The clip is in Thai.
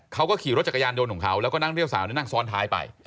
เขาก็ขี่รถจักรยานยนต์ของเขาแล้วก็นั่งเที่ยวสาวนั่งซ้อนท้ายไป